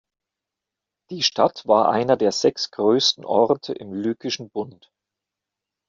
Die Stadt war einer der sechs größten Orte im Lykischen Bund.